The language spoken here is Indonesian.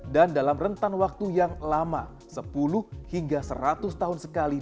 dan dalam rentan waktu yang lama sepuluh hingga seratus tahun sekali